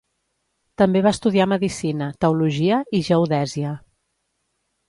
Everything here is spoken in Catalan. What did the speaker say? També va estudiar medicina, teologia i geodèsia.